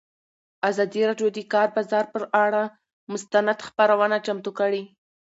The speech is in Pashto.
ازادي راډیو د د کار بازار پر اړه مستند خپرونه چمتو کړې.